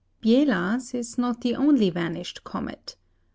_ Biela's is not the only vanished comet.